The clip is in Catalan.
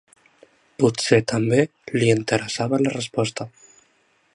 Potser també li interessava la resposta.